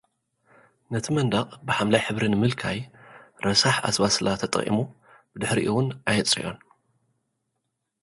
ነቲ መንደቕ ብሓምላይ ሕብሪ ንምልካይ ረሳሕ ኣስባስላ ተጠቒሙ፡ ብድሕሪኡ’ውን ኣየጽረዮን።